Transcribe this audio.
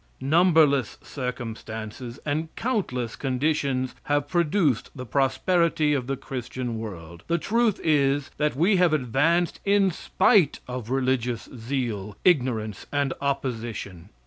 Numberless circumstances and countless conditions have produced the prosperity of the Christian world. The truth is that we have advanced in spite of religious zeal, ignorance, and opposition.